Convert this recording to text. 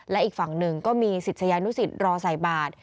และอีกฝั่งหนึ่งก็มีศิษยานุสิตรอใส่บาท